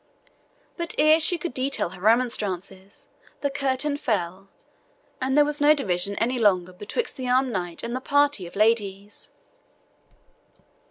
But ere she could detail her remonstrances, the curtain fell, and there was no division any longer betwixt the armed knight and the party of ladies.